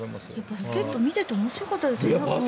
バスケット見ていて面白かったですよね